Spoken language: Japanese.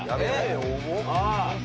ああ。